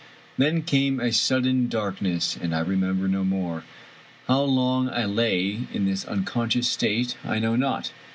Then came a sudden dark ness — and I remember no more 1 How long I lay in this unconscious state I know not.